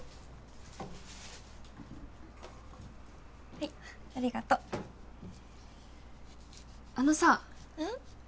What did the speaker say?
はいありがとうあのさうん？